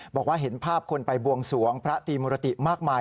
บอกว่าเห็นภาพคนไปบวงสวงพระตีมุรติมากมาย